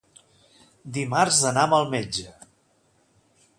Dimarts anam al metge.